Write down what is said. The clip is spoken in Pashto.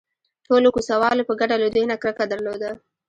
ټولو کوڅه والو په ګډه له دوی نه کرکه درلوده.